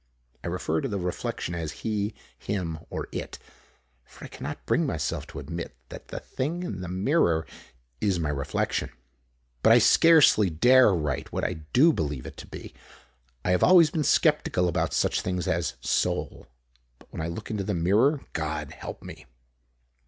I refer to the reflection as "he," "him," or "it," for I cannot bring myself to admit that the thing in the mirror is my reflection. But I scarcely dare write what I do believe it to be. I have always been skeptical about such things as "soul," but when I look into the mirror God help me!